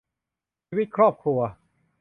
ชีวิตครอบครัว